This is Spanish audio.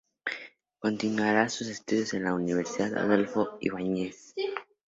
Continuaría sus estudios en la Universidad Adolfo Ibáñez.